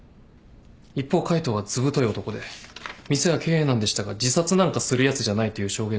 一方海藤はずぶとい男で店は経営難でしたが自殺なんかするやつじゃないという証言が多いんです。